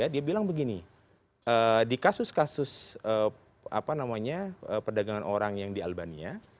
dia bilang begini di kasus kasus perdagangan orang yang di albania